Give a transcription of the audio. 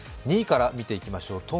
２位から見ていきましょう。